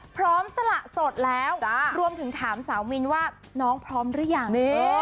สละสดแล้วรวมถึงถามสาวมินว่าน้องพร้อมหรือยัง